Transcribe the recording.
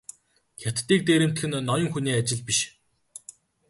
Хятадыг дээрэмдэх нь ноён хүний ажил биш.